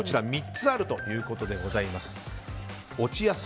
３つあるということでございます。